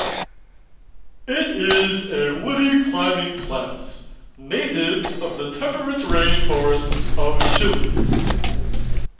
It is a woody climbing plant, native of the temperate rain forests of Chile.